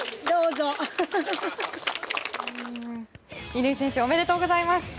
乾選手おめでとうございます。